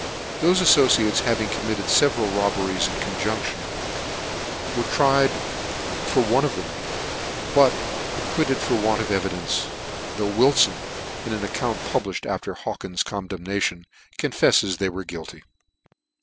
Thofe afTo ciates having committed feveral robberies in con junction, 1 were tried for one of them ; but ac quitted for want of evidence j though Wilfon, in an account publifhed after Hawkins's condem nation, cohfefies tbey were guilty.